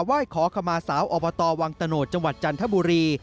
ไหว้ขอขมาสาวอบตวังตะโนธจังหวัดจันทบุรี